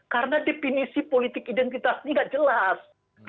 karena definisi politik identitas ini tidak jelas